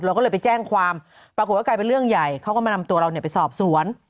ก็เลยไปแจ้งความปรากฏว่ากลายเป็นเรื่องใหญ่เขาก็มานำตัวเราไปสอบสวน